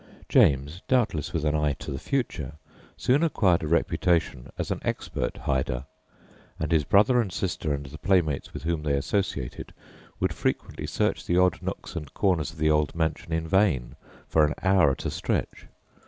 James, doubtless with an eye to the future, soon acquired a reputation as an expert hider, and his brother and sister and the playmates with whom they associated would frequently search the odd nooks and corners of the old mansion in vain for an hour at a stretch.